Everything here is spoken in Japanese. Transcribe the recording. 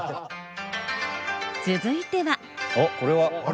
続いては。